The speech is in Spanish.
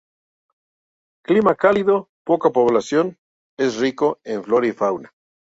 Clima cálido, poca población, es rico en flora y fauna.